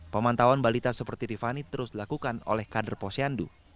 pemantauan balita seperti rifani terus dilakukan oleh kader posyandu